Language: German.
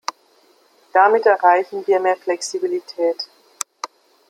Damit erreichen wir mehr Flexibilität.